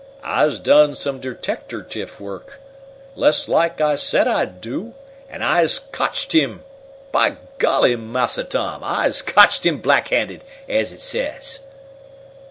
"I's done some deteckertiff wuk, lest laik I said I'd do, an' I's cotched him! By golly, Massa Tom! I's cotched him black handed, as it says!"